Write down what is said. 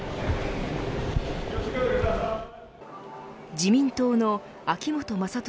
自民党の秋本真利